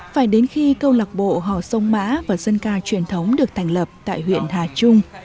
phải đến khi câu lạc bộ hò sông mã và dân ca truyền thống được thành lập tại huyện hà trung